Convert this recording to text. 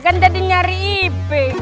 kan tadi nyari iping